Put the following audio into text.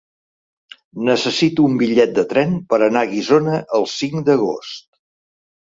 Necessito un bitllet de tren per anar a Guissona el cinc d'agost.